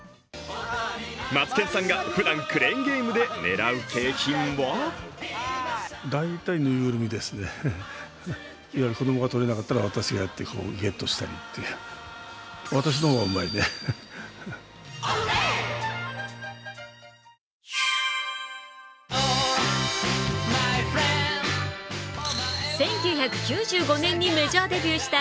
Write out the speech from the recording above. マツケンさんがふだんクレーンゲームで狙う景品は１９９５年にメジャーデビューした